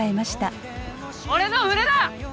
俺の船だ！